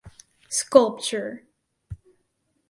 Sculpture.